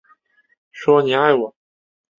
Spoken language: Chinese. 说你爱我